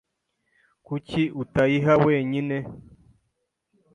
Kuki utayiha wenyine?